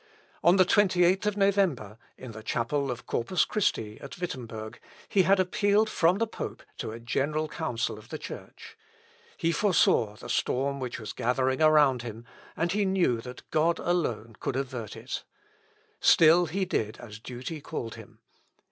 On the 28th November, in the chapel of Corpus Christi at Wittemberg, he had appealed from the pope to a general council of the Church. He foresaw the storm which was gathering around him, and he knew that God alone could avert it. Still he did as duty called him.